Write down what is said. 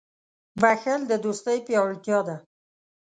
• بښل د دوستۍ پیاوړتیا ده.